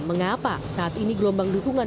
mengapa saat ini gelombang dukungan